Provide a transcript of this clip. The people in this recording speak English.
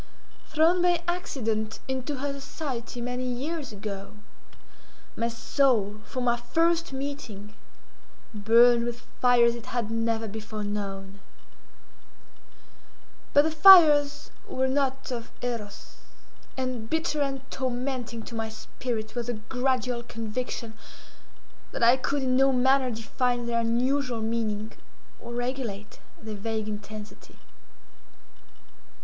Thrown by accident into her society many years ago, my soul from our first meeting, burned with fires it had never before known; but the fires were not of Eros, and bitter and tormenting to my spirit was the gradual conviction that I could in no manner define their unusual meaning or regulate their vague intensity.